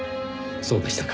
そうでしたか。